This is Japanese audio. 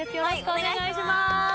お願いします。